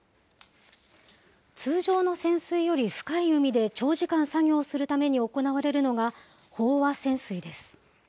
通常の潜水より深い海で、長時間作業するために行われるのが飽和潜水です。